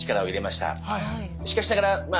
しかしながらまあ